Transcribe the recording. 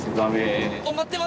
あっ。